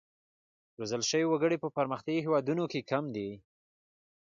روزل شوي وګړي په پرمختیايي هېوادونو کې کم دي.